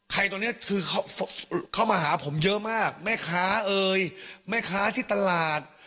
ตรงนี้คือเข้ามาหาผมเยอะมากแม่ค้าเอ่ยแม่ค้าที่ตลาด